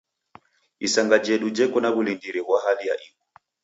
Isanga jedu jeko na w'ulindiri ghwa hali ya ighu.